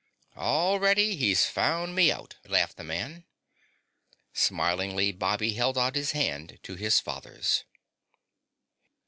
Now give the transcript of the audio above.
"Already he's found me out!" laughed the man. Smilingly, Bobby held out his hand to his fathers.